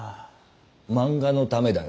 漫画のためだよ。